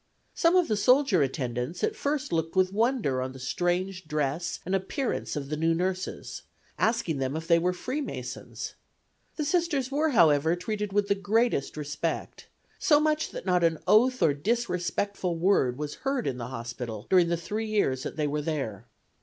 Some of the soldier attendants at first looked with wonder on the strange dress and appearance of the new nurses, asking them if they were Free Masons. The Sisters were, however, treated with the greatest respect, so much so that not an oath or disrespectful word was heard in the hospital during the three years that they were there.